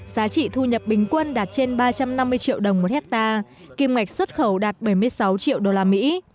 giá trị thu nhập bình quân đạt trên ba trăm năm mươi triệu đồng một hectare kim ngạch xuất khẩu đạt bảy mươi sáu triệu đô la mỹ